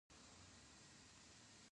د ناشکرۍ ډير بد آنجام او پايله ده